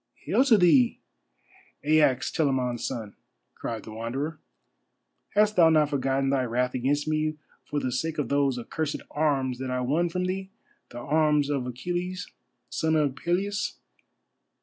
"Hail to thee, Aias, Telamon's son," cried the Wanderer. "Hast thou not forgotten thy wrath against me, for the sake of those accursed arms that I won from thee, the arms of Achilles, son of Peleus?